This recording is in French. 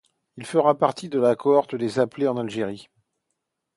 Il fera partie de la cohorte des appelés en Algérie.